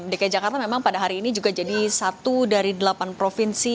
dki jakarta memang pada hari ini juga jadi satu dari delapan provinsi